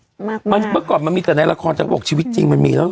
ใช่เมื่อก่อนมันมีเตะแนนละครจากโรคชีวิตจริงมันมีแล้ว